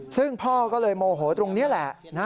ซึ่งพ่อก็เลยโมโหตรงนี้แหละ